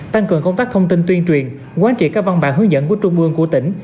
tăng cường công tác thông tin tuyên truyền quán trị các văn bản hướng dẫn của trung ương của tỉnh